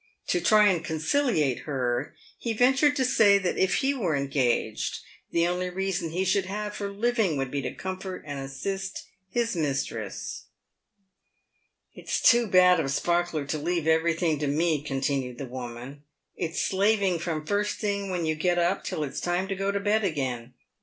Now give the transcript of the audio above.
To try and conciliate her, he ventured to say that if he were engaged, the only reason he should have for living would be to comfort and assist his mistress. " It's too bad of Sparkler to leave everything to me," continued the woman. " It's slaving from first thing when you get up till it's time to go to bed again.